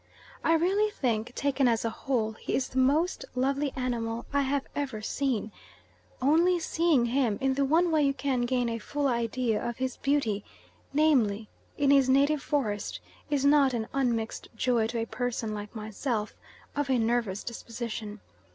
I really think, taken as a whole, he is the most lovely animal I have ever seen; only seeing him, in the one way you can gain a full idea of his beauty, namely in his native forest, is not an unmixed joy to a person, like myself, of a nervous disposition.